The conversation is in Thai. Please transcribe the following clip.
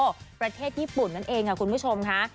ประเทศญี่ปุ่นนั่นเองค่ะคุณผู้ชมค่ะ